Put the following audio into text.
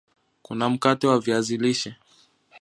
Kuna mkate wa viazi lishe